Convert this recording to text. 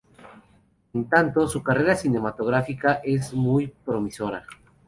En tanto, su carrera cinematográfica es muy promisoria.